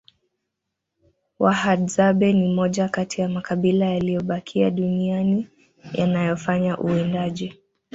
wahadzabe ni moja Kati ya makabila yaliyobakia duniani yanayofanya uwindaji